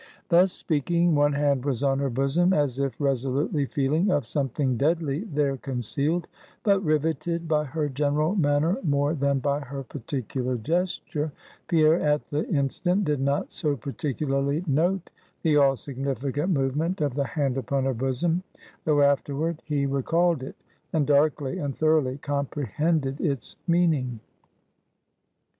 Thus speaking, one hand was on her bosom, as if resolutely feeling of something deadly there concealed; but, riveted by her general manner more than by her particular gesture, Pierre, at the instant, did not so particularly note the all significant movement of the hand upon her bosom, though afterward he recalled it, and darkly and thoroughly comprehended its meaning.